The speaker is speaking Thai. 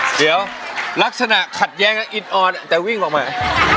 เดี๋ยวลักษณะขัดแยงแต่วิ่งออกมา